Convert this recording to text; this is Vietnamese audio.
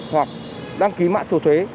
hoặc đăng ký mạng số thuế